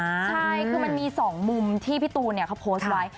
ใช่คือมันมี๒มุมที่พี่ตูนเขาโพสต์ไว้